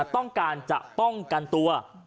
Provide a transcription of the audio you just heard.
ต้องการจะป้องกันตัว